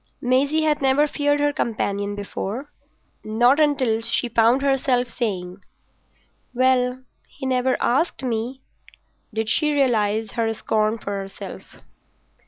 Maisie had never feared her companion before. Not until she found herself saying, "Well, he never asked me," did she realise her scorn of herself.